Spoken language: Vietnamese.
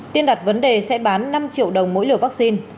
tiên đặt vấn đề sẽ bán năm triệu đồng mỗi liều vaccine